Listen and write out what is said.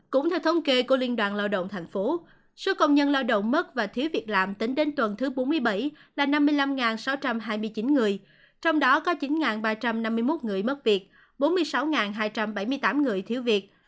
cũng theo thống kê của liên đoàn lao động tp công nhân lao động mất và thiếu việc làm tính đến tuần thứ bốn mươi bảy là năm mươi năm sáu trăm hai mươi chín người trong đó có chín ba trăm năm mươi một người mất việc bốn mươi sáu hai trăm bảy mươi tám người thiếu việc